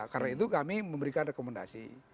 karena itu kami memberikan rekomendasi